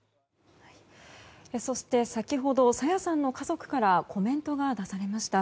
そして、先ほど朝芽さんの家族からコメントが出されました。